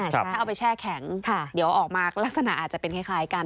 ถ้าเอาไปแช่แข็งเดี๋ยวออกมาลักษณะอาจจะเป็นคล้ายกัน